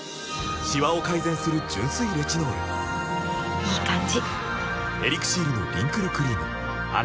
いい感じ！